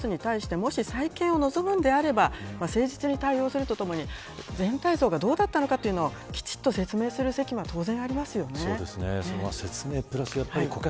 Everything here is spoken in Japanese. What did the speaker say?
こうした問題一つ一つに対してもし再建を望むのであれば誠実に対応するとともに全体像がどうだったのかをきちんと説明する責務は説明プラス顧客